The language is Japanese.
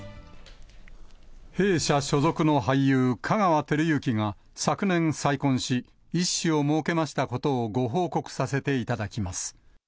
弊社所属の俳優、香川照之が昨年再婚し、一子をもうけましたことをご報告させていただきます。